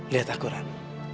lihat aku ran